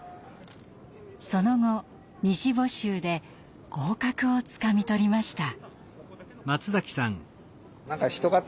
その後２次募集で合格をつかみ取りました。